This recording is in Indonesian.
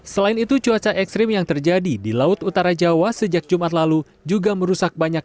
selain itu cuaca ekstrim yang terjadi di laut utara jawa sejak jumat lalu juga merusak banyak